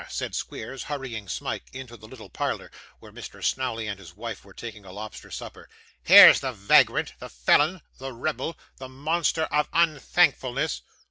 said Squeers, hurrying Smike into the little parlour, where Mr. Snawley and his wife were taking a lobster supper. 'Here's the vagrant the felon the rebel the monster of unthankfulness.